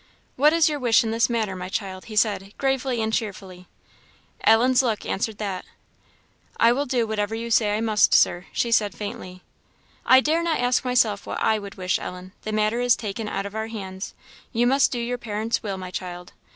"What is your wish in this matter, my child?" he said, gravely and cheerfully. Ellen's look answered that. "I will do whatever you say I must, Sir," she said, faintly. "I dare not ask myself what I would wish, Ellen; the matter is taken out of our hands. You must do your parents' will, my child.